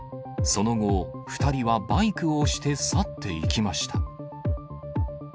その後、２人はバイクを押して去っていきました。